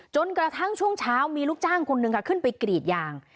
จนกระทั่งช่วงเช้ามีลูกจ้างคนนึงค่ะขึ้นไปกรีดยาง